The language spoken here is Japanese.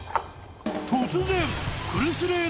［突然］